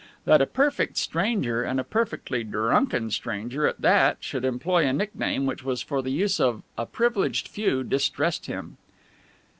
That a perfect stranger, and a perfectly drunken stranger at that, should employ a nickname which was for the use of a privileged few, distressed him.